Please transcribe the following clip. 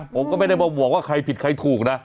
ผมก็ไม่ได้มาบอกว่าใครผิดใครถูกนะ